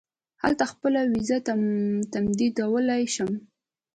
هلته خپله وېزه تمدیدولای شم.